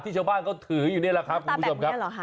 ที่ชาวบ้านเขาถืออยู่นี่แหละครับตาแบบนี้หรอคะ